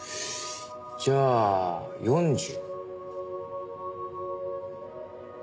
じゃあ４０。